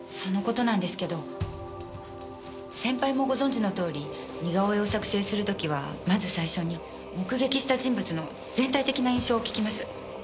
先輩もご存じのとおり似顔絵を作成する時はまず最初に目撃した人物の全体的な印象を聞きます。